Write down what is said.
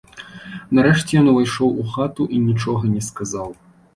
Нарэшце ён увайшоў у хату і нічога не сказаў.